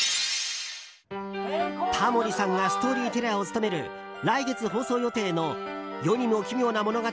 タモリさんがストーリーテラーを務める来月放送予定の「世にも奇妙な物語」